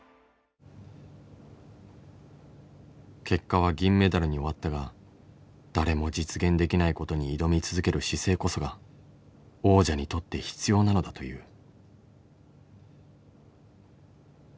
結果は銀メダルに終わったが誰も実現できないことに挑み続ける姿勢こそが王者にとって必要なのだという。